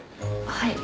はい。